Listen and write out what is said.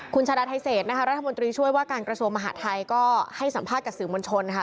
คุณชาดาไทเศษนะคะรัฐมนตรีช่วยว่าการกระทรวงมหาทัยก็ให้สัมภาษณ์กับสื่อมวลชนนะคะ